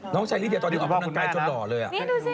น้องชายลิเดียตอนนี้ออกกำลังกายจนหล่อเลย